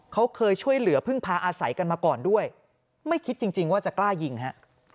เขาเคยช่วยเหลือพึ่งพาอาศัยกันมาก่อนด้วยไม่คิดจริงว่าจะกล้ายิงฮะ